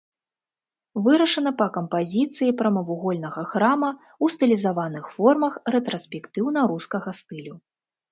Вырашана па кампазіцыі прамавугольнага храма ў стылізаваных формах рэтраспектыўна-рускага стылю.